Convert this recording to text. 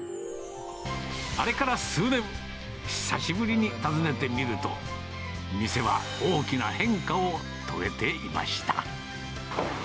あれから数年、久しぶりに訪ねてみると、店は大きな変化を遂げていました。